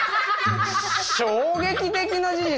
衝撃的な事実。